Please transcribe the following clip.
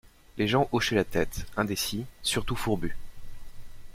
Les gens hochaient la tête, indécis, surtout fourbus.